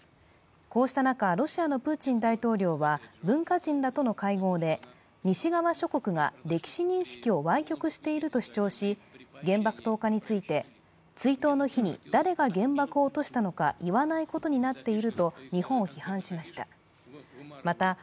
こうした中、ロシアのプーチン大統領は文化人らとの会合で、西側諸国が歴史認識をわい曲していると主張し原爆投下について、追悼の日に誰が原爆を落としたのか言わないことになっていると日本を批判しました。